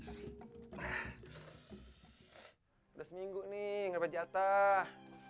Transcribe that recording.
udah seminggu nih ngapain jatah